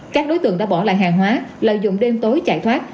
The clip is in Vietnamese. các đối tượng đã bỏ lại hàng hóa lợi dụng đêm tối chạy thoát